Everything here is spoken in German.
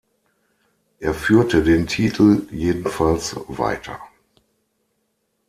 Er führte den Titel jedenfalls weiter.